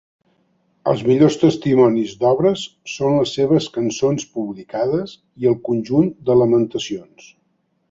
Els millors testimonis d'obres són les seves cançons publicades i el conjunt de lamentacions.